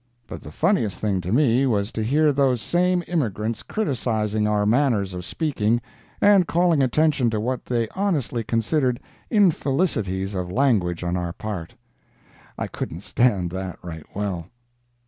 But the funniest thing to me was to hear those same immigrants criticising our manner of speaking, and calling attention to what they honestly considered infelicities of language on our part. I couldn't stand that right well.